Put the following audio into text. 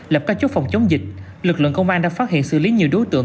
lập các chốt phòng chống dịch lực lượng công an đã phát hiện xử lý nhiều đối tượng